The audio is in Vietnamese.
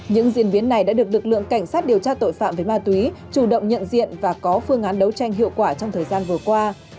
những diễn biến này đã được lực lượng cảnh sát điều tra tội phạm về ma túy chủ động nhận diện và có phương án đấu tranh hiệu quả trong thời gian vừa qua